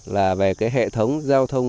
là về cái hệ thống giao thông